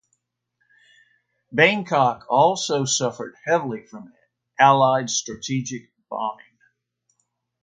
Bangkok also suffered heavily from Allied strategic bombing.